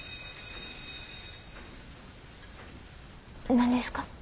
何ですか？